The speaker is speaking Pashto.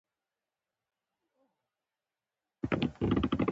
نباتات اکسيجن توليدوي او کاربن ډای اکسايد جذبوي